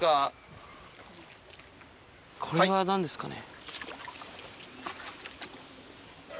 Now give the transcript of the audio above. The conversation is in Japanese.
これは何ですかね。